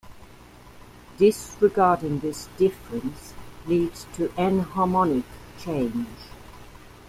Disregarding this difference leads to enharmonic change.